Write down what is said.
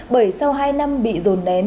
bởi sau hai năm bị rồn nén